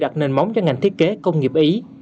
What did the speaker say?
đặt nền móng cho ngành thiết kế công nghiệp ý